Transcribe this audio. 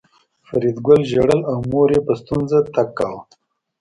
فریدګل ژړل او مور یې په ستونزه تګ کاوه